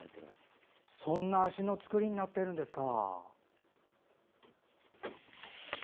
そんな足の作りになっているんですか。